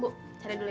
bu cari dulu ya